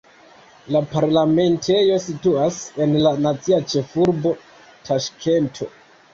La parlamentejo situas en la nacia ĉefurbo Taŝkento.